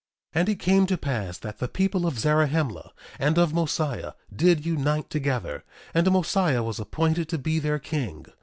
1:19 And it came to pass that the people of Zarahemla, and of Mosiah, did unite together; and Mosiah was appointed to be their king.